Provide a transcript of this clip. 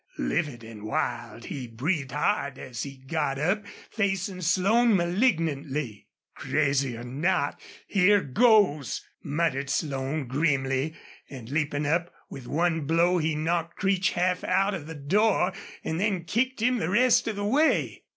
Livid and wild, he breathed hard as he got up, facing Slone malignantly. "Crazy or not, here goes!" muttered Slone, grimly; and, leaping up, with one blow he knocked Creech half out of the door, and then kicked him the rest of the way.